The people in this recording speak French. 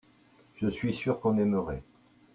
je suis sûr qu'on aimerait.